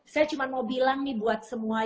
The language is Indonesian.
saya cuman mau bilang nih buat semua ya